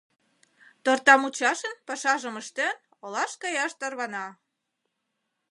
Тортамучашин пашажым ыштен, олаш каяш тарвана.